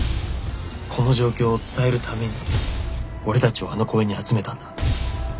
この状況を伝えるために俺たちをあの公園に集めたんだ。